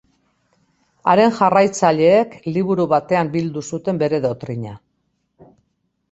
Haren jarraitzaileek liburu batean bildu zuten bere dotrina.